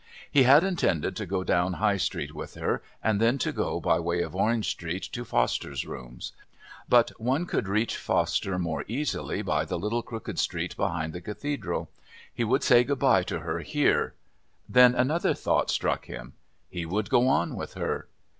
He had intended to go down High Street with her and then to go by way of Orange Street to Foster's rooms; but one could reach Foster more easily by the little crooked street behind the Cathedral. He would say good bye to her here.... Then another thought struck him. He would go on with her.